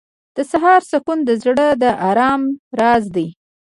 • د سهار سکون د زړه د آرام راز دی.